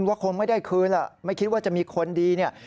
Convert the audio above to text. ว่าคงไม่ได้คืนล่ะไม่คิดว่าจะมีคนดีเนี่ย